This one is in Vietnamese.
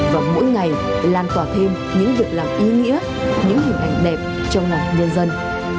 và mỗi ngày lan tỏa thêm những việc làm ý nghĩa những hình ảnh đẹp cho ngọn nhân dân